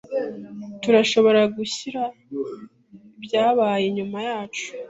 Turashobora gushyira ibyabaye inyuma yacu?